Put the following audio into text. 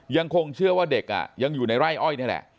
ยังคงเชื่อว่าเด็กยังอยู่ในไร่อ้อยนี่แหละ